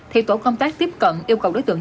thì tổ công tác tiếp cận yêu cầu đối tượng